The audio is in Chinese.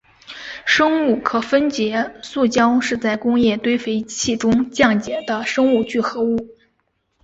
生物可分解塑胶是在工业堆肥器中降解的生物聚合物。